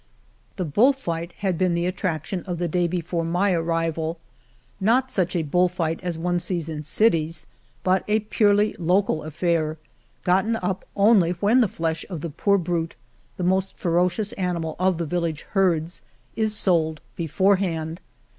The bull fight had been the attraction of the day before my arrival, not such a bull fight as one sees in cities, but a purely local affair gotten up only when the flesh of the poor brute — ^the most ferocious animal of the village herds — is sold beforehand.